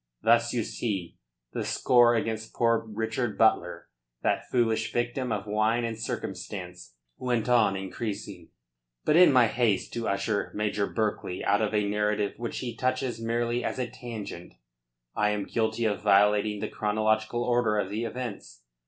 Thus, you see, the score against poor Richard Butler that foolish victim of wine and circumstance went on increasing. But in my haste to usher Major Berkeley out of a narrative which he touches merely at a tangent, I am guilty of violating the chronological order of the events.